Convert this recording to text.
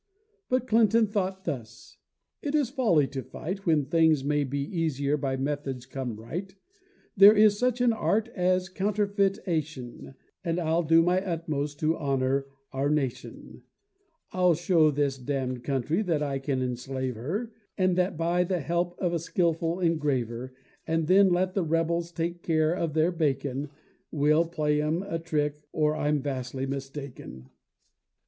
But Clinton thought thus: "It is folly to fight, When things may by easier methods come right: There is such an art as counterfeit ation, And I'll do my utmost to honor our nation: "I'll show this damn'd country that I can enslave her, And that by the help of a skilful engraver; And then let the rebels take care of their bacon; We'll play 'em a trick, or I'm vastly mistaken."